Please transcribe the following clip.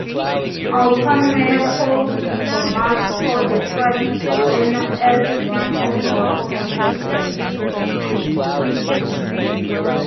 Alpine mayor Paul Tomasko described Zoellner as "one of our foremost residents".